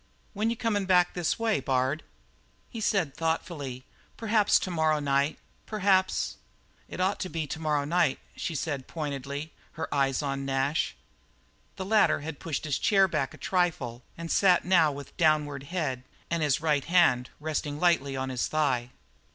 When you coming back this way, Bard?" He said thoughtfully: "Perhaps to morrow night perhaps " "It ought to be to morrow night," she said pointedly, her eyes on Nash. The latter had pushed his chair back a trifle and sat now with downward head and his right hand resting lightly on his thigh.